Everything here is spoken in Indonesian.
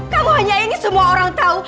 kamu hanya ingin semua orang tahu